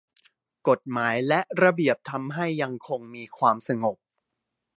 กฎหมายและระเบียบทำให้ยังคงมีความสงบ